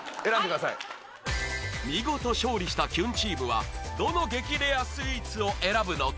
見事勝利したキュンチームはどの激レアスイーツを選ぶのか？